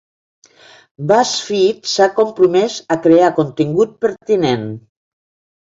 BuzzFeed s'ha compromès a crear contingut pertinent.